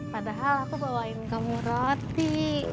padahal aku bawain kamu roti